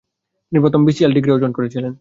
তিনি প্রথম BCL degree অর্জন করেছিলেন।